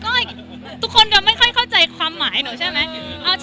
ก็ทุกคนเราไม่ค่อยเข้าใจความหมายหนูใช่ไหม